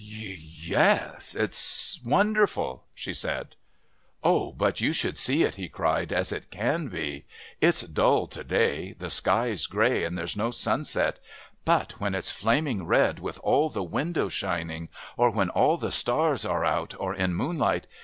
"Yes it's wonderful," she said. "Oh, but you should see it," he cried, "as it can be. It's dull to day, the sky's grey and there's no sunset, but when it's flaming red with all the windows shining, or when all the stars are out or in moonlight...